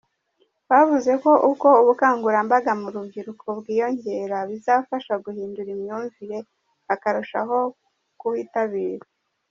Bavuze ko uko ubukangurambaga mu rubyiruko bwiyongera bizabafasha guhindura imyumvire bakarushaho kuwitabira.